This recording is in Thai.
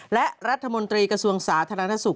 และรัฐมนตรีกระทรวงสาธารณสุข